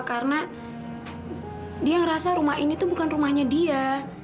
karena dia ngerasa rumah ini tuh bukan rumahnya dia